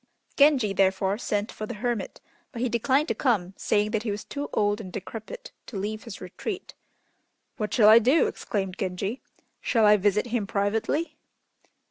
Genji, therefore, sent for the hermit, but he declined to come, saying that he was too old and decrepit to leave his retreat. "What shall I do?" exclaimed Genji, "shall I visit him privately?"